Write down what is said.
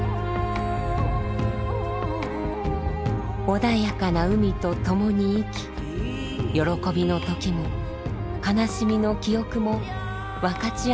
穏やかな海と共に生き喜びの時も悲しみの記憶も分かち合ってきた人たち。